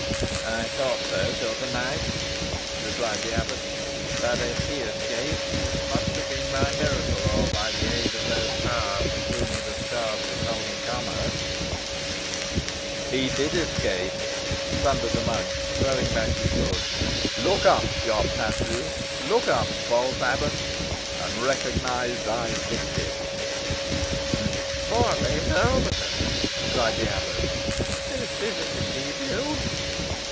"I thought so till to night," replied the abbot. "But if he escaped it, it must have been by miracle; or by aid of those powers with whom he was charged with holding commerce." "He did escape!" thundered the monk, throwing back his hood. "Look up, John Paslew. Look up, false abbot, and recognise thy victim." "Borlace Alvetham!" cried the abbot. "Is it, indeed, you?"